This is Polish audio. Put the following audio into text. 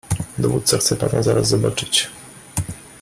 "Dowódca chce pana zaraz zobaczyć."